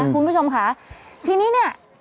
คุณผู้ชมค่ะทีนี้อืม